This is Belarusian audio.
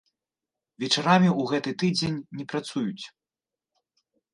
Вечарамі ў гэты тыдзень не працуюць.